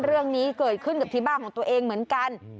เรื่องนี้เกิดขึ้นกับที่บ้านของตัวเองเหมือนกัน